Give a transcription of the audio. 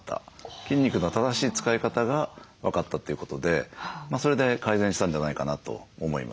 筋肉の正しい使い方が分かったということでそれで改善したんじゃないかなと思います。